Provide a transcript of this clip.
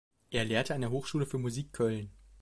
Er lehrte an der Hochschule für Musik Köln.